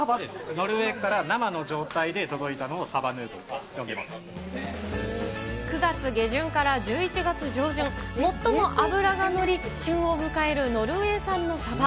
ノルウェーから生の状態で届いたのをサバヌーヴォーと呼んで９月下旬から１１月上旬、最も脂が乗り、旬を迎えるノルウェー産のサバ。